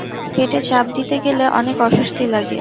পেটে চাপ দিতে গেলে অনেক অস্বস্তি লাগে।